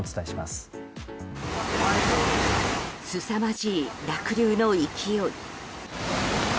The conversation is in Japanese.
すさまじい濁流の勢い。